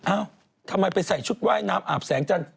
เอ้าทำไมไปใส่ชุดว่ายน้ำอาบแสงจันทร์